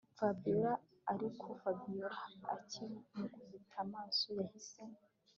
Fabiora ariko Fabiora akimukubita amaso yahise